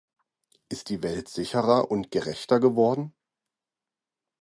Ist die Welt sicherer und gerechter geworden?